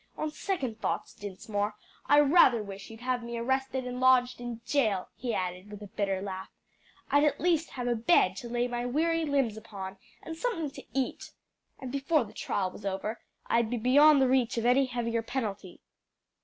On second thoughts, Dinsmore, I rather wish you'd have me arrested and lodged in jail," he added with a bitter laugh. "I'd at least have a bed to lay my weary limbs upon, and something to eat. And before the trial was over I'd be beyond the reach of any heavier penalty."